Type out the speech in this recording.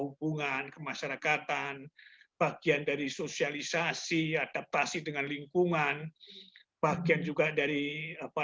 hubungan kemasyarakatan bagian dari sosialisasi adaptasi dengan lingkungan bagian juga dari apa